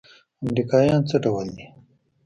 امريکايان څه ډول دي.